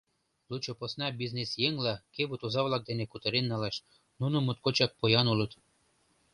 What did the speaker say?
Лучо посна бизнесъеҥла кевыт оза-влак дене кутырен налаш: нуно моткочак поян улыт.